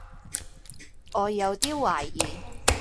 我有啲懷疑